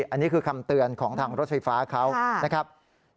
อันนี้คือคำเตือนของทางรถไฟฟ้าเขานะครับนะครับครับ